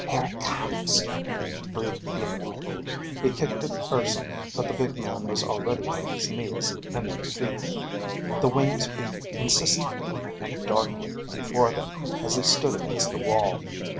"Here it comes," breathed Iimmi. He kicked at Urson, but the big man was already on his knees, and then feet. The wings beat insistently and darkly before them as they stood against the wall.